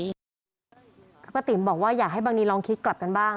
คือป้าติ๋มบอกว่าอยากให้บังนีลองคิดกลับกันบ้าง